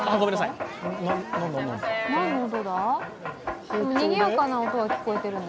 何の音だ？